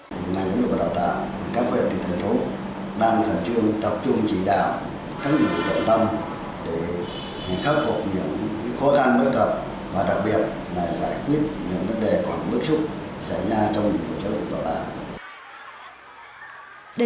các nhiệm vụ tổng tâm để khắc phục những khu thang bất tập và đặc biệt là giải quyết những vấn đề khoảng bức xúc xảy ra trong những tổ chức tạo đại